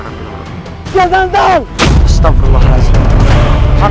aku dianggap dia lebih dekat